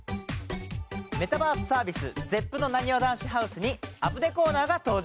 メタバースサービスＺＥＰのなにわ男子ＨＯＵＳＥに『アプデ』コーナーが登場！